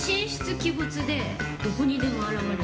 鬼没でどこにでも現れる。